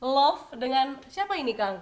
love dengan siapa ini kang